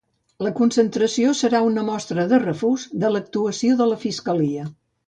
La concentració serà una mostra de refús de l’actuació de la fiscalia.